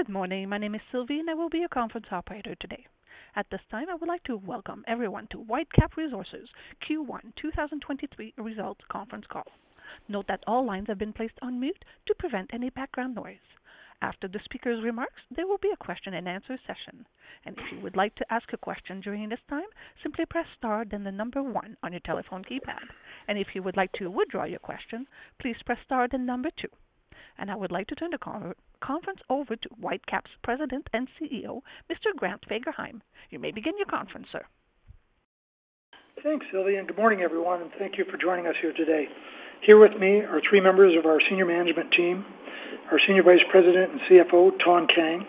Good morning. My name is Sylvie, I will be your conference operator today. At this time, I would like to welcome everyone to Whitecap Resources Q1 2023 Results Conference Call. Note that all lines have been placed on mute to prevent any background noise. After the speaker's remarks, there will be a question-and-answer session. If you would like to ask a question during this time, simply press star then the 1 on your telephone keypad. If you would like to withdraw your question, please press star then 2. I would like to turn the conference over to Whitecap's President and CEO, Mr. Grant Fagerheim. You may begin your conference, sir. Thanks, Sylvie. Good morning, everyone, and thank you for joining us here today. Here with me are three members of our senior management team, our Senior Vice President and CFO, Thanh Kang,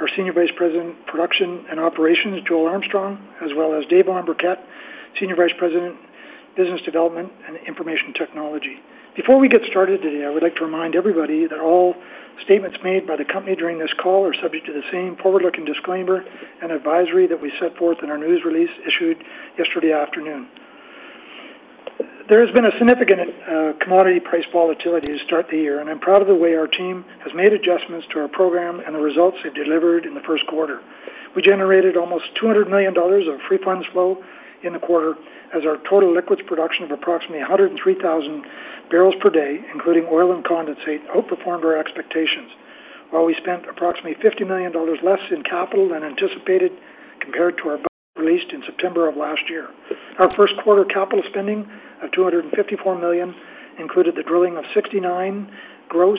our Senior Vice President, Production and Operations, Joel Armstrong, as well as Dave Mombourquette, Senior Vice President, Business Development and Information Technology. Before we get started today, I would like to remind everybody that all statements made by the company during this call are subject to the same forward-looking disclaimer and advisory that we set forth in our news release issued yesterday afternoon. There has been a significant commodity price volatility to start the year, and I'm proud of the way our team has made adjustments to our program and the results they've delivered in the first quarter. We generated almost 200 million dollars of free funds flow in the quarter as our total liquids production of approximately 103,000 barrels per day, including oil and condensate, outperformed our expectations, while we spent approximately CAD 50 million less in capital than anticipated compared to our released in September 2022. Our first quarter capital spending of 254 million included the drilling of 69 gross,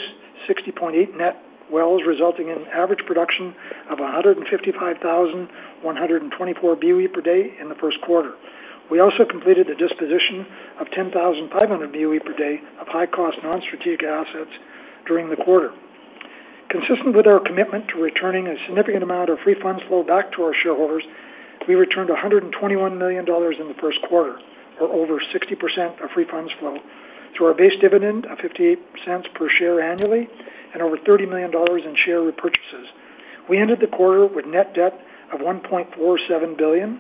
60.8 net wells, resulting in average production of 155,124 BOE per day in the first quarter. We also completed the disposition of 10,500 BOE per day of high-cost non-strategic assets during the quarter. Consistent with our commitment to returning a significant amount of free funds flow back to our shareholders, we returned 121 million dollars in the first quarter, or over 60% of free funds flow to our base dividend of 0.58 per share annually and over 30 million dollars in share repurchases. We ended the quarter with net debt of 1.47 billion,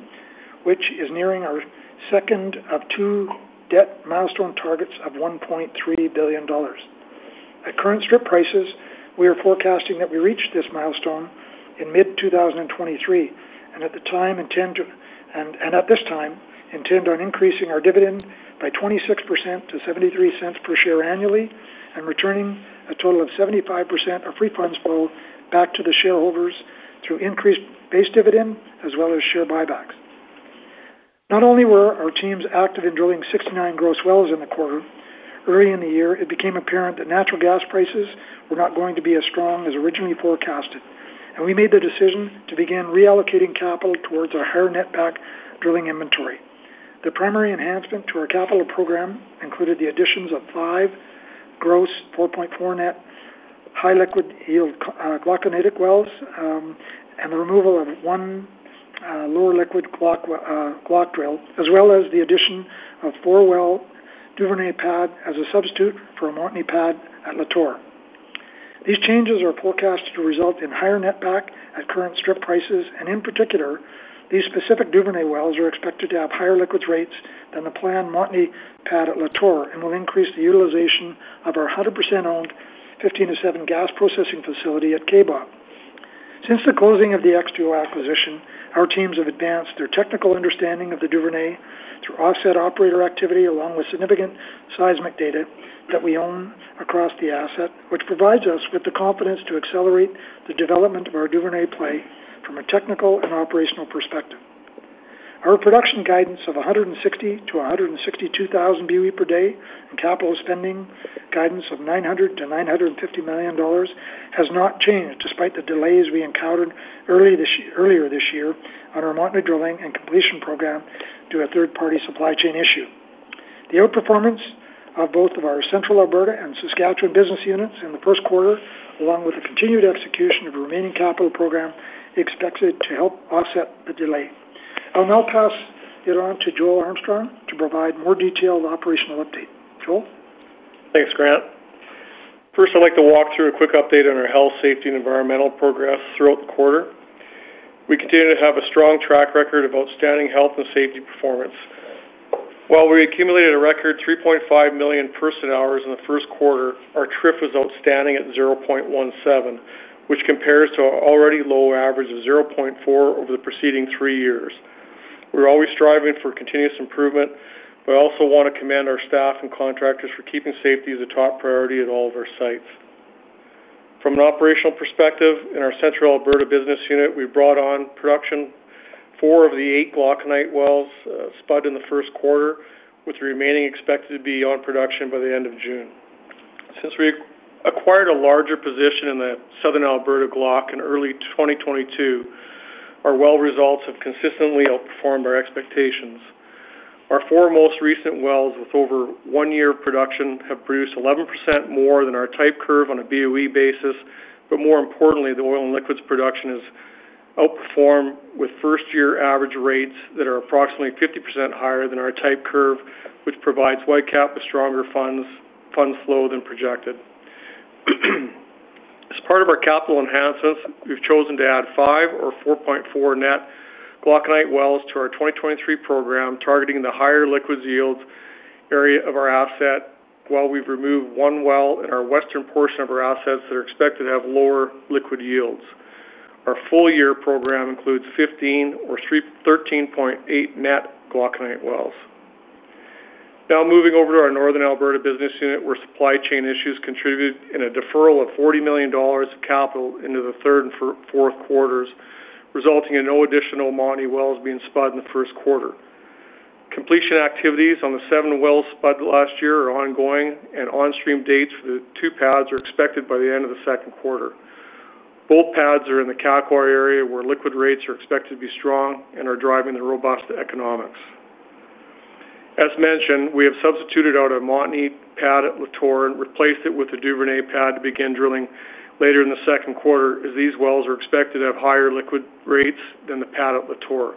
which is nearing our second of two debt milestone targets of 1.3 billion dollars. At current strip prices, we are forecasting that we reach this milestone in mid-2023, at this time, intend on increasing our dividend by 26% to 0.73 per share annually and returning a total of 75% of free funds flow back to the shareholders through increased base dividend as well as share buybacks. Not only were our teams active in drilling 69 gross wells in the quarter, early in the year it became apparent that natural gas prices were not going to be as strong as originally forecasted, and we made the decision to begin reallocating capital towards our higher netback drilling inventory. The primary enhancement to our capital program included the additions of 5 gross, 4.4 net high liquid yield glauconitic wells, and the removal of 1 lower liquid glauconitic drill, as well as the addition of 4 well Duvernay pad as a substitute for a Montney pad at LaTour. These changes are forecasted to result in higher netback at current strip prices. In particular, these specific Duvernay wells are expected to have higher liquids rates than the planned Montney pad at LaTour and will increase the utilization of our 100% owned 15-07 gas processing facility at Kaybob. Since the closing of the XTO acquisition, our teams have advanced their technical understanding of the Duvernay through offset operator activity, along with significant seismic data that we own across the asset, which provides us with the confidence to accelerate the development of our Duvernay play from a technical and operational perspective. Our production guidance of 160,000-162,000 BOE per day and capital spending guidance of 900 million-950 million dollars has not changed despite the delays we encountered earlier this year on our Montney drilling and completion program due to a third-party supply chain issue. The outperformance of both of our Central Alberta and Saskatchewan business units in the first quarter, along with the continued execution of the remaining capital program, expected to help offset the delay. I'll now pass it on to Joel Armstrong to provide more detailed operational update. Joel? Thanks, Grant. First, I'd like to walk through a quick update on our health, safety, and environmental progress throughout the quarter. We continue to have a strong track record of outstanding health and safety performance. While we accumulated a record 3.5 million person-hours in the first quarter, our TRIF was outstanding at 0.17, which compares to our already low average of 0.4 over the preceding 3 years. We're always striving for continuous improvement, but I also wanna commend our staff and contractors for keeping safety as a top priority at all of our sites. From an operational perspective, in our Central Alberta business unit, we brought on production 4 of the 8 glauconite wells, spud in the first quarter, with the remaining expected to be on production by the end of June. Since we acquired a larger position in the Southern Alberta Glauconite in early 2022, our well results have consistently outperformed our expectations. Our four most recent wells with over one year of production have produced 11% more than our type curve on a BOE basis, more importantly, the oil and liquids production has outperformed with first-year average rates that are approximately 50% higher than our type curve, which provides Whitecap with stronger funds flow than projected. As part of our capital enhances, we've chosen to add five or 4.4 net Glauconite wells to our 2023 program, targeting the higher liquids yields area of our asset, while we've removed one well in our western portion of our assets that are expected to have lower liquid yields. Our full-year program includes 15 or 13.8 net Glauconite wells. Now moving over to our Northern Alberta business unit, where supply chain issues contributed in a deferral of 40 million dollars of capital into the third and fourth quarters, resulting in no additional Montney wells being spud in the first quarter. Completion activities on the 7 wells spud last year are ongoing, and onstream dates for the two pads are expected by the end of the second quarter. Both pads are in the Kakwa area, where liquid rates are expected to be strong and are driving the robust economics. As mentioned, we have substituted out a Montney pad at LaTour and replaced it with a Duvernay pad to begin drilling later in the second quarter, as these wells are expected to have higher liquid rates than the pad at LaTour.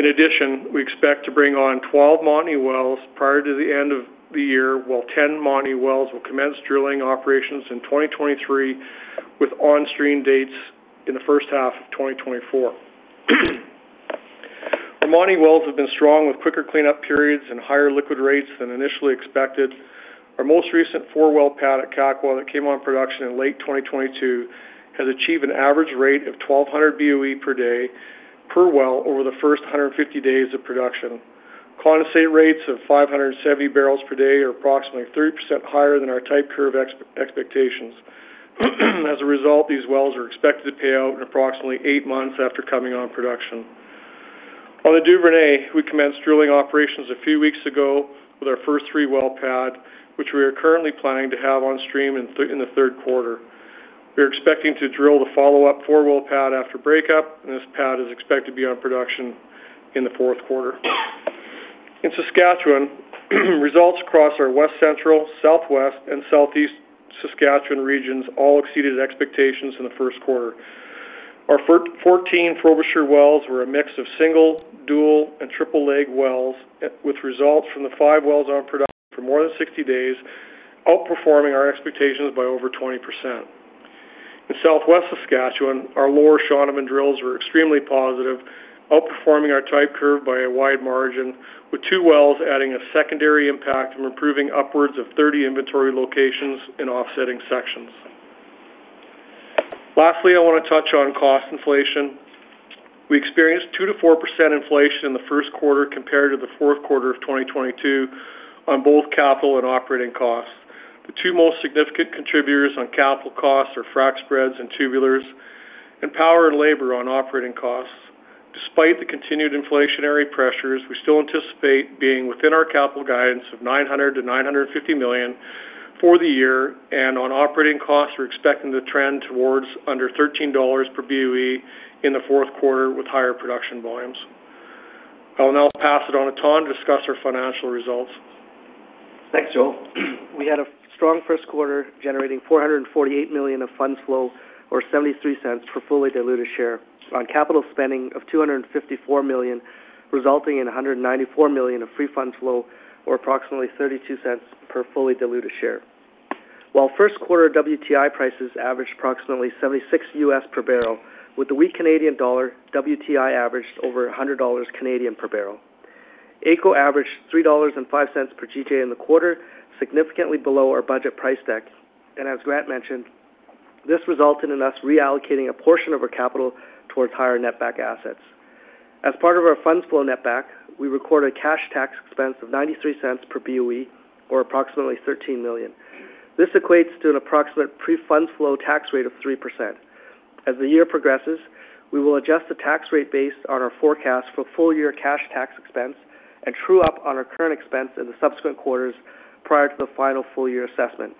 We expect to bring on 12 Montney wells prior to the end of the year, while 10 Montney wells will commence drilling operations in 2023, with onstream dates in the first half of 2024. The Montney wells have been strong with quicker cleanup periods and higher liquid rates than initially expected. Our most recent 4-well pad at Kakwa that came on production in late 2022 has achieved an average rate of 1,200 BOE per day per well over the first 150 days of production. Condensate rates of 570 barrels per day are approximately 30% higher than our type curve expectations. These wells are expected to pay out in approximately 8 months after coming on production. On the Duvernay, we commenced drilling operations a few weeks ago with our first 3-well pad, which we are currently planning to have onstream in the third quarter. We are expecting to drill the follow-up 4-well pad after breakup. This pad is expected to be on production in the fourth quarter. In Saskatchewan, results across our West Central, Southwest, and Southeast Saskatchewan regions all exceeded expectations in the first quarter. Our 14 Frobisher wells were a mix of single, dual, and triple-leg wells, with results from the 5 wells on production for more than 60 days, outperforming our expectations by over 20%. In Southwest Saskatchewan, our Lower Shaunavon drills were extremely positive, outperforming our type curve by a wide margin, with 2 wells adding a secondary impact from improving upwards of 30 inventory locations in offsetting sections. Lastly, I wanna touch on cost inflation. We experienced 2%-4% inflation in the first quarter compared to the fourth quarter of 2022 on both capital and operating costs. The two most significant contributors on capital costs are frac spreads and tubulars, and power and labor on operating costs. Despite the continued inflationary pressures, we still anticipate being within our capital guidance of 900 million-950 million for the year. On operating costs, we're expecting to trend towards under 13 dollars per BOE in the fourth quarter with higher production volumes. I will now pass it on to Thanh Kang to discuss our financial results. Thanks, Josef. We had a strong first quarter, generating 448 million of funds flow or 0.73 per fully diluted share on capital spending of 254 million, resulting in 194 million of free funds flow or approximately 0.32 per fully diluted share. While first quarter WTI prices averaged approximately $76 US per barrel, with the weak Canadian dollar, WTI averaged over 100 Canadian dollars per barrel. AECO averaged 3.05 dollars per GJ in the quarter, significantly below our budget price deck. As Grant mentioned, this resulted in us reallocating a portion of our capital towards higher netback assets. As part of our funds flow netback, we recorded a cash tax expense of 0.93 per BOE, or approximately 13 million. This equates to an approximate pre-funds flow tax rate of 3%. As the year progresses, we will adjust the tax rate based on our forecast for full-year cash tax expense and true up on our current expense in the subsequent quarters prior to the final full-year assessment.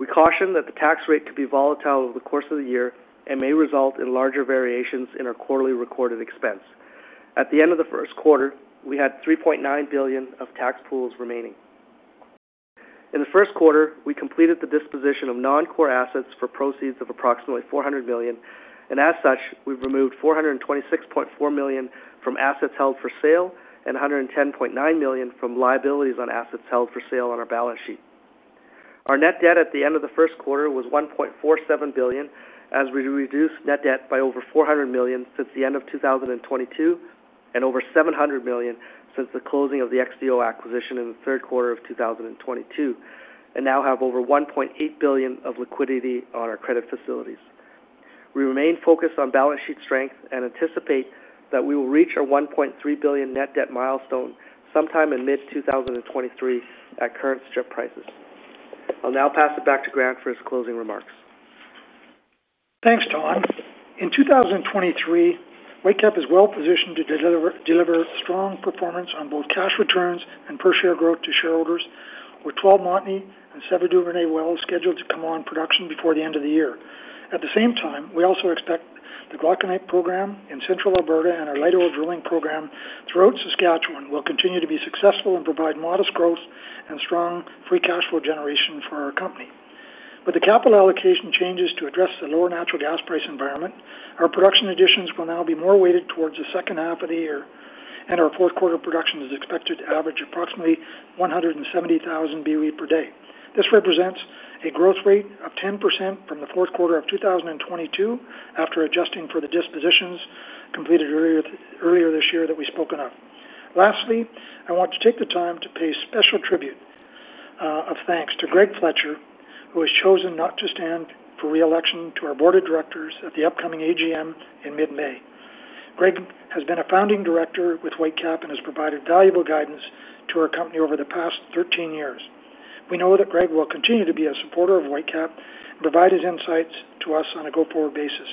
We caution that the tax rate could be volatile over the course of the year and may result in larger variations in our quarterly recorded expense. At the end of the first quarter, we had 3.9 billion of tax pools remaining. In the first quarter, we completed the disposition of non-core assets for proceeds of approximately 400 million. As such, we've removed 426.4 million from assets held for sale and 110.9 million from liabilities on assets held for sale on our balance sheet. Our net debt at the end of the first quarter was 1.47 billion, as we reduced net debt by over 400 million since the end of 2022 and over 700 million since the closing of the XTO acquisition in the third quarter of 2022, and now have over 1.8 billion of liquidity on our credit facilities. We remain focused on balance sheet strength and anticipate that we will reach our 1.3 billion net debt milestone sometime in mid-2023 at current strip prices. I'll now pass it back to Grant for his closing remarks. Thanks, Thanh. In 2023, Whitecap is well-positioned to deliver strong performance on both cash returns and per share growth to shareholders with 12 Montney and 7 Duvernay wells scheduled to come on production before the end of the year. At the same time, we also expect the Glauconite program in Central Alberta and our light oil drilling program throughout Saskatchewan will continue to be successful and provide modest growth and strong free cash flow generation for our company. With the capital allocation changes to address the lower natural gas price environment, our production additions will now be more weighted towards the second half of the year. Our fourth quarter production is expected to average approximately 170,000 BOE per day. This represents a growth rate of 10% from the fourth quarter of 2022 after adjusting for the dispositions completed earlier this year that we've spoken of. I want to take the time to pay special tribute of thanks to Greg Fletcher, who has chosen not to stand for re-election to our board of directors at the upcoming AGM in mid-May. Greg has been a founding director with Whitecap and has provided valuable guidance to our company over the past 13 years. We know that Greg will continue to be a supporter of Whitecap, provide his insights to us on a go-forward basis.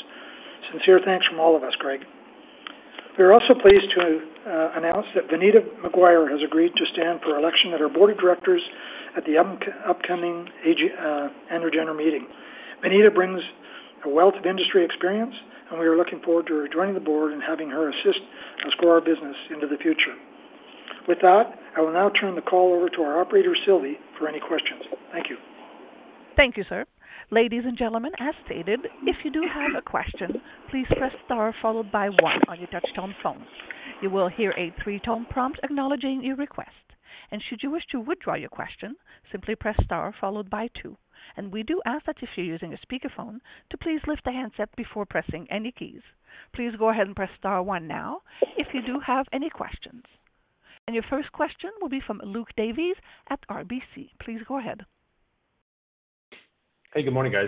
Sincere thanks from all of us, Greg. We are also pleased to announce that Vineeta Maguire has agreed to stand for election at our board of directors at the annual general meeting. Vineeta brings a wealth of industry experience, and we are looking forward to her joining the board and having her assist us grow our business into the future. With that, I will now turn the call over to our operator, Sylvie, for any questions. Thank you. Thank you, sir. Ladies and gentlemen, as stated, if you do have a question, please press Star followed by one on your touch-tone phone. You will hear a three-tone prompt acknowledging your request. Should you wish to withdraw your question, simply press Star followed by two. We do ask that if you're using a speakerphone, to please lift the handset before pressing any keys. Please go ahead and press Star one now if you do have any questions. Your first question will be from Luke Davis at RBC. Please go ahead. Hey, good morning, guys.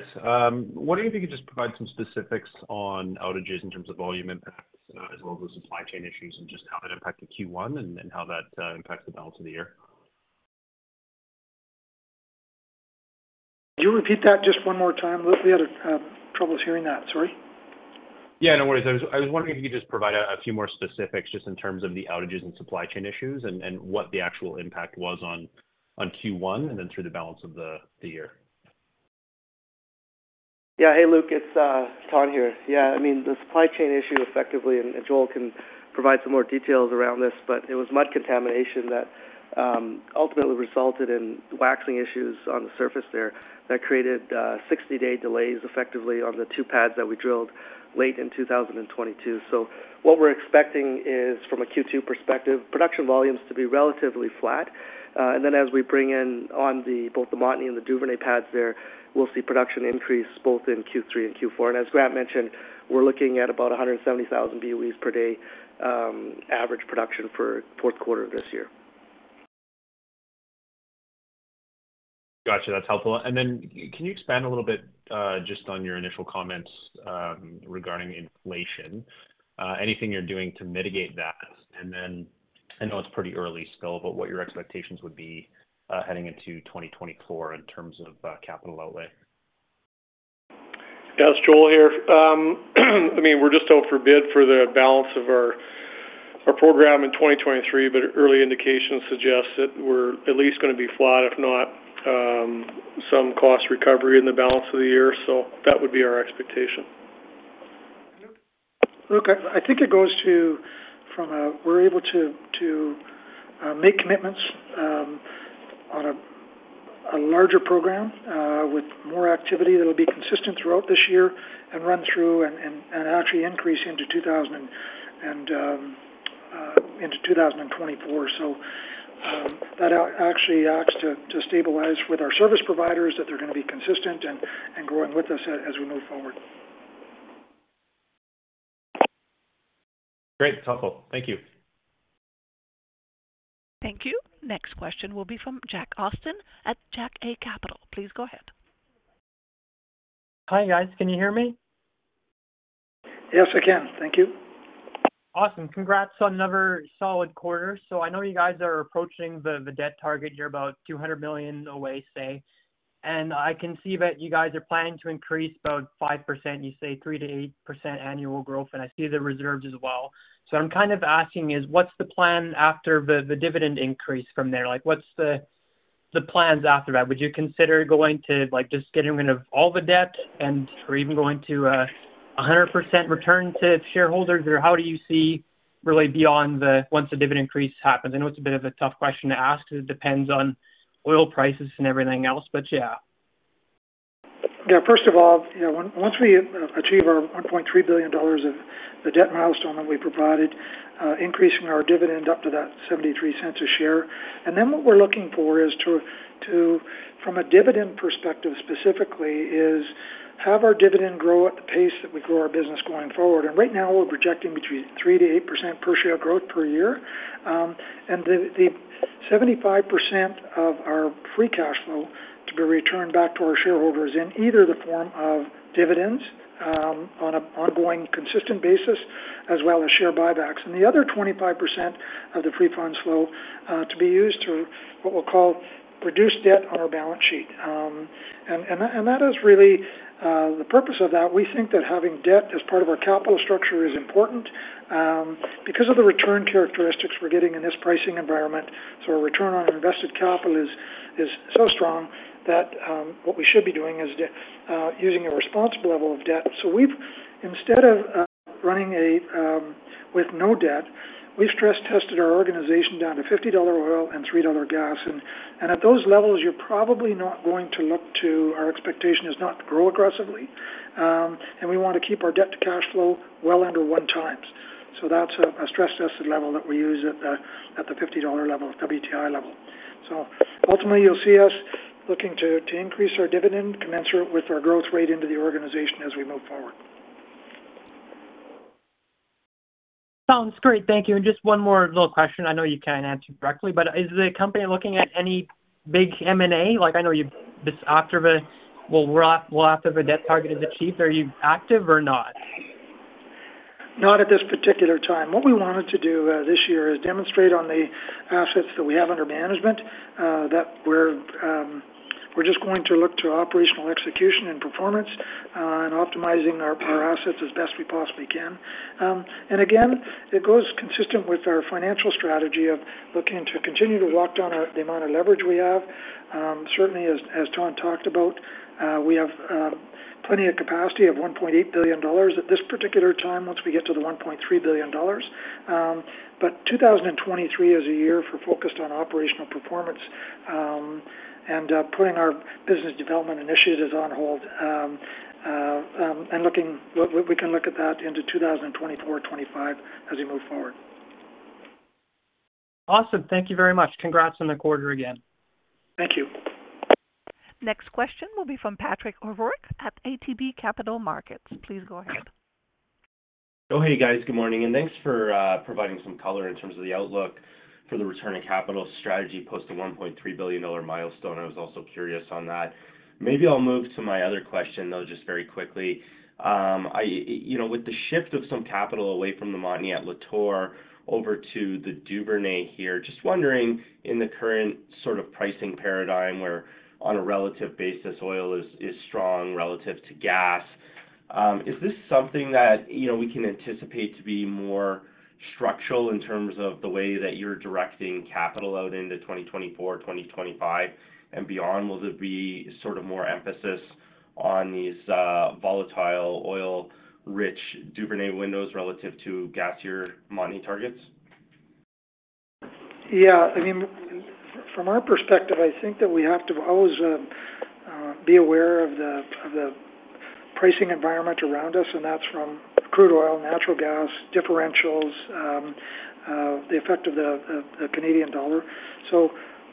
Wondering if you could just provide some specifics on outages in terms of volume impacts as well as the supply chain issues and just how that impacted Q1 and how that impacts the balance of the year? Can you repeat that just one more time, Luke? We had troubles hearing that, sorry. Yeah, no worries. I was wondering if you could just provide a few more specifics just in terms of the outages and supply chain issues and what the actual impact was on Q1 and then through the balance of the year? Hey, Luke. It's Todd here. I mean, the supply chain issue effectively, and Joel can provide some more details around this, but it was mud contamination that ultimately resulted in waxing issues on the surface there that created 60-day delays effectively on the 2 pads that we drilled late in 2022. What we're expecting is from a Q2 perspective, production volumes to be relatively flat. As we bring in on both the Montney and the Duvernay pads there, we'll see production increase both in Q3 and Q4. As Grant mentioned, we're looking at about 170,000 BOE per day average production for fourth quarter of this year. Gotcha. That's helpful. Can you expand a little bit just on your initial comments regarding inflation, anything you're doing to mitigate that? And then I know it's pretty early still, but what your expectations would be heading into 2024 in terms of capital outlay. Yes. Joel here. I mean, we're just out for bid for the balance of our program in 2023, early indications suggest that we're at least gonna be flat, if not, some cost recovery in the balance of the year. That would be our expectation. Luke, I think it goes to. We're able to make commitments on a larger program with more activity that'll be consistent throughout this year and run through and actually increase into 2000 and into 2024. That actually acts to stabilize with our service providers, that they're gonna be consistent and growing with us as we move forward. Great. It's helpful. Thank you. Thank you. Next question will be from Jackson Austin at Jack A. Capital. Please go ahead. Hi, guys. Can you hear me? Yes, I can. Thank you. Awesome. Congrats on another solid quarter. I know you guys are approaching the debt target. You're about 200 million away, say. I can see that you guys are planning to increase about 5%. You say 3%-8% annual growth, and I see the reserves as well. I'm kind of asking is what's the plan after the dividend increase from there? Like, what's the plans after that? Would you consider going to, like, just getting rid of all the debt or even going to a 100% return to shareholders or how do you see really beyond once the dividend increase happens? I know it's a bit of a tough question to ask because it depends on oil prices and everything else, but yeah. Yeah. First of all, you know, once we, you know, achieve our 1.3 billion dollars of the debt milestone that we provided, increasing our dividend up to that 0.73 a share. Then what we're looking for is to... from a dividend perspective specifically, is have our dividend grow at the pace that we grow our business going forward. Right now we're projecting between 3% to 8% per share growth per year. The 75% of our free cash flow to be returned back to our shareholders in either the form of dividends, on an ongoing consistent basis, as well as share buybacks. The other 25% of the free funds flow, to be used to, what we'll call reduce debt on our balance sheet. That is really the purpose of that, we think that having debt as part of our capital structure is important because of the return characteristics we're getting in this pricing environment. Our return on invested capital is so strong that what we should be doing is using a responsible level of debt. We've instead of running with no debt, we've stress tested our organization down to $50 oil and 3 dollar gas. At those levels, you're probably not going to look to... our expectation is not to grow aggressively. We want to keep our debt to cash flow well under 1 time. That's a stress-tested level that we use at the $50 level, WTI level. Ultimately, you'll see us looking to increase our dividend commensurate with our growth rate into the organization as we move forward. Sounds great. Thank you. Just one more little question. I know you can't answer directly, but is the company looking at any big M&A? Like, I know this October will act as a debt target is achieved. Are you active or not? Not at this particular time. What we wanted to do this year is demonstrate on the assets that we have under management, that we're just going to look to operational execution and performance, and optimizing our assets as best we possibly can. And again, it goes consistent with our financial strategy of looking to continue to walk down the amount of leverage we have. Certainly as Todd talked about, we have plenty of capacity of 1.8 billion dollars at this particular time once we get to 1.3 billion dollars. 2023 is a year for focused on operational performance, and putting our business development initiatives on hold, and looking we can look at that into 2024, 2025 as we move forward. Awesome. Thank you very much. Congrats on the quarter again. Thank you. Next question will be from Patrick O'Rourke at ATB Capital Markets. Please go ahead. Hey, guys. Good morning, thanks for providing some color in terms of the outlook for the return on capital strategy post the 1.3 billion dollar milestone. I was also curious on that. Maybe I'll move to my other question, though, just very quickly. You know, with the shift of some capital away from the Montney-La Tour over to the Duvernay here, just wondering in the current sort of pricing paradigm where on a relative basis oil is strong relative to gas, is this something that, you know, we can anticipate to be more structural in terms of the way that you're directing capital out into 2024, 2025 and beyond? Will there be sort of more emphasis on these volatile oil-rich Duvernay windows relative to gasier Montney targets? Yeah. I mean, from our perspective, I think that we have to always be aware of the pricing environment around us, and that's from crude oil, natural gas, differentials, the effect of the Canadian dollar.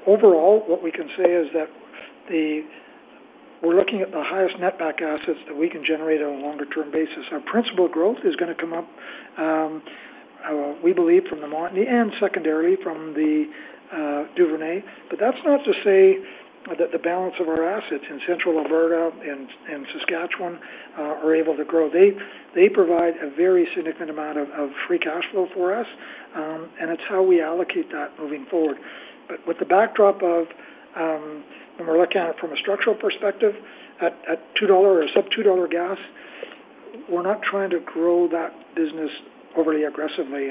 Overall, what we can say is that we're looking at the highest netback assets that we can generate on a longer term basis. Our principal growth is gonna come up, we believe from the Montney and secondary from the Duvernay. That's not to say that the balance of our assets in Central Alberta and Saskatchewan are able to grow. They provide a very significant amount of free cash flow for us, and it's how we allocate that moving forward. With the backdrop of, when we're looking at it from a structural perspective at 2 dollar or sub 2 gas, we're not trying to grow that business overly aggressively.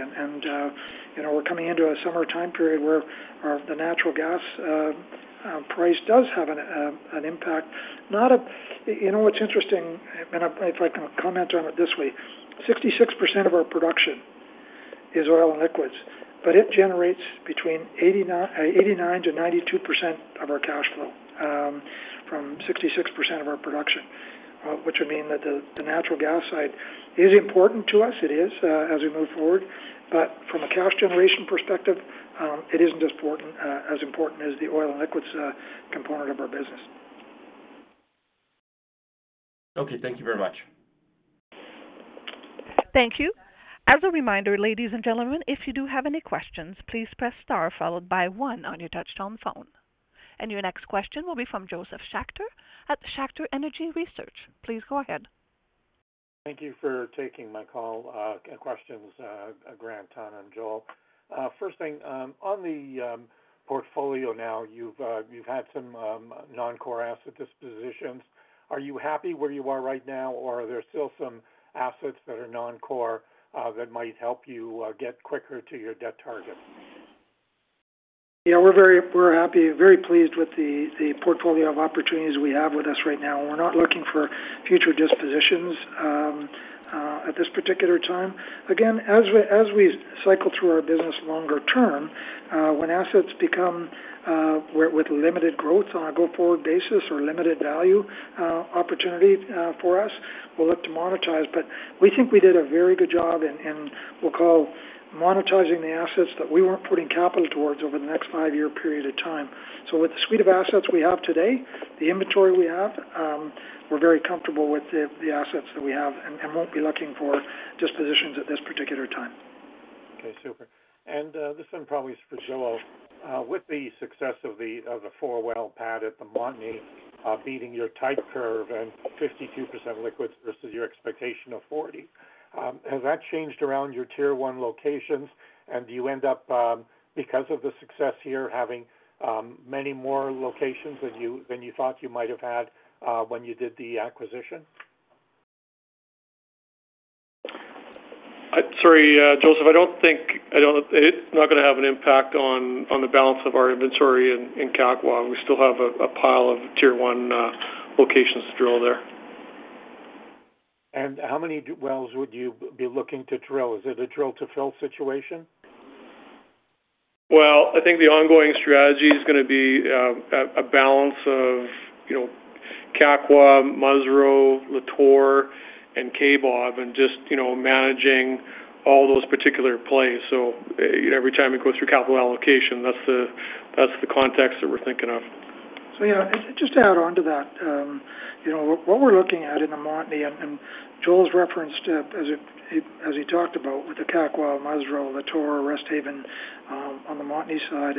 You know, we're coming into a summertime period where the natural gas price does have an impact. You know what's interesting, and if I can comment on it this way, 66% of our production is oil and liquids, but it generates between 89%-92% of our cash flow from 66% of our production. Which would mean that the natural gas side is important to us. It is as we move forward. From a cash generation perspective, it isn't as important as the oil and liquids component of our business. Okay. Thank you very much. Thank you. As a reminder, ladies and gentlemen, if you do have any questions, please press star followed by 1 on your touchtone phone. Your next question will be from Josef Schachter at Schachter Energy Research. Please go ahead. Thank you for taking my call, questions, Grant, Tom, and Joel. First thing, on the portfolio now, you've had some non-core asset dispositions. Are you happy where you are right now, or are there still some assets that are non-core that might help you get quicker to your debt target? We're happy, very pleased with the portfolio of opportunities we have with us right now. We're not looking for future dispositions at this particular time. Again, as we cycle through our business longer term, when assets become with limited growth on a go-forward basis or limited value opportunity for us, we'll look to monetize. We think we did a very good job in we'll call monetizing the assets that we weren't putting capital towards over the next 5-year period of time. With the suite of assets we have today, the inventory we have, we're very comfortable with the assets that we have and won't be looking for dispositions at this particular time. Okay, super. This one probably is for Joel. With the success of the, of the 4-well pad at the Montney, beating your type curve and 52% liquids versus your expectation of 40, has that changed around your tier one locations? Do you end up, because of the success here, having, many more locations than you, than you thought you might have had, when you did the acquisition? Sorry, Josef, it's not gonna have an impact on the balance of our inventory in Kakwa. We still have a pile of tier one locations to drill there. How many wells would you be looking to drill? Is it a drill to fill situation? Well, I think the ongoing strategy is gonna be a balance of, you know, Kakwa, Musreau, LaTour, and Kaybob, and just, you know, managing all those particular plays. Every time it goes through capital allocation, that's the context that we're thinking of. Yeah, just to add onto that, you know, what we're looking at in the Montney, and Joel referenced it as he talked about with the Kakwa, Musreau, LaTour, Resthaven, on the Montney side.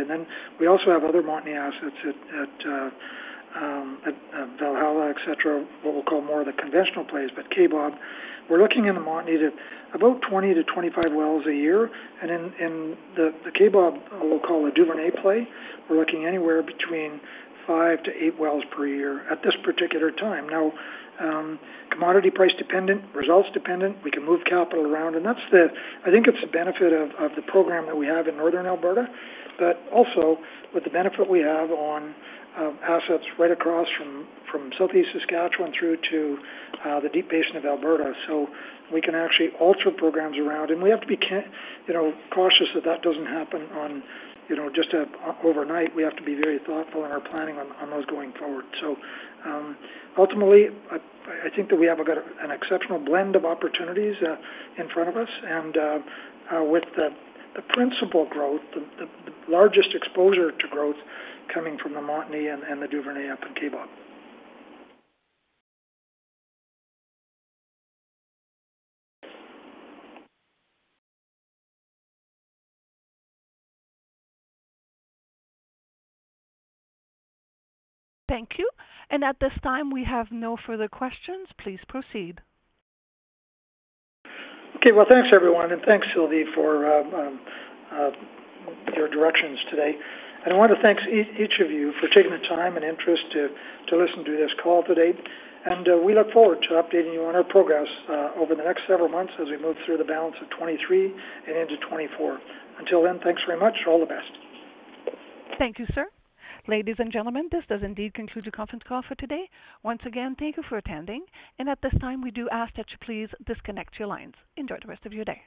We also have other Montney assets at Valhalla, et cetera, what we'll call more of the conventional plays. Kaybob, we're looking in the Montney to about 20-25 wells a year. In the Kaybob, we'll call a Duvernay play, we're looking anywhere between 5-8 wells per year at this particular time. Now, commodity price dependent, results dependent, we can move capital around, and I think it's the benefit of the program that we have in Northern Alberta. Also with the benefit we have on assets right across from Southeast Saskatchewan through to the deep basin of Alberta. We can actually alter programs around, and we have to be, you know, cautious that that doesn't happen on, you know, just overnight. We have to be very thoughtful in our planning on those going forward. Ultimately, I think that we have an exceptional blend of opportunities in front of us. With the principal growth, the largest exposure to growth coming from the Montney and the Duvernay up in Kaybob. Thank you. At this time, we have no further questions. Please proceed. Okay. Well, thanks everyone, and thanks, Sylvie, for your directions today. I want to thank each of you for taking the time and interest to listen to this call today. We look forward to updating you on our progress over the next several months as we move through the balance of 2023 and into 2024. Until then, thanks very much. All the best. Thank you, sir. Ladies and gentlemen, this does indeed conclude the conference call for today. Once again, thank you for attending. At this time, we do ask that you please disconnect your lines. Enjoy the rest of your day.